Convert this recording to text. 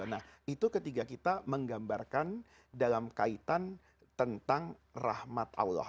nah itu ketika kita menggambarkan dalam kaitan tentang rahmat allah